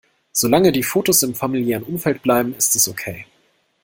Solange die Fotos im familiären Umfeld bleiben, ist es okay.